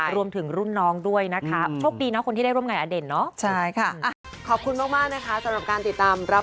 รวมถึงรุ่นน้องด้วยนะครับ